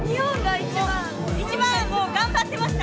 一番もう、頑張ってました。